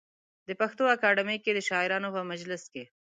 د پښتو اکاډمۍ کې د شاعرانو په مجلس کې.